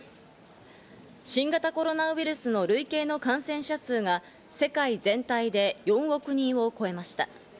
新型コロナウイルスの累計の感染者数が世界全体で４億人を超えました。